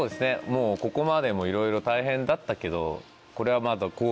もうここまでもいろいろ大変だったけどこれはまだ。